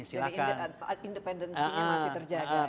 jadi independensinya masih terjaga ya